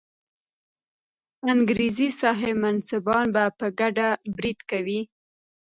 انګریزي صاحب منصبان به په ګډه برید کوي.